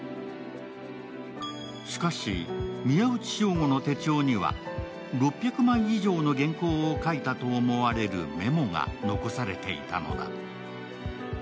しかし、宮内彰吾の手帳には６００枚以上の原稿を書いたと思われるメモが残されていたのだ。